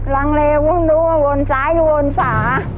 รังเลวไม่รู้วนซ้ายรู้วนฝา